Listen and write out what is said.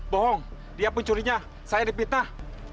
bohong dia pencurinya saya dipitah